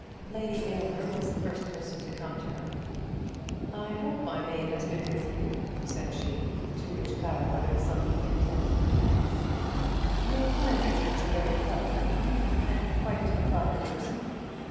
Lady Aylmer was the first person to come to her. "I hope my maid has been with you," said she; to which Clara muttered something intended for thanks. "You'll find Richards a very clever woman, and quite a proper person."